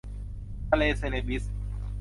ทะเลเซเลบีส